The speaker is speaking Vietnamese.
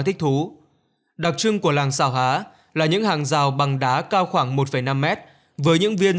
thích thú đặc trưng của làng xào há là những hàng rào bằng đá cao khoảng một năm mét với những viên